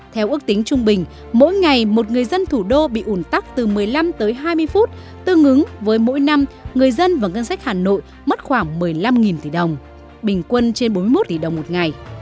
theo ước tính trung bình mỗi ngày một người dân thủ đô bị ủn tắc từ một mươi năm tới hai mươi phút tương ứng với mỗi năm người dân và ngân sách hà nội mất khoảng một mươi năm tỷ đồng bình quân trên bốn mươi một tỷ đồng một ngày